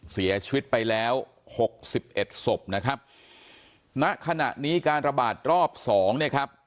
เสียชีวิตไปแล้ว๖๑ศพนะครับณขณะนี้การระบาดรอบ๒เนี่ยครับ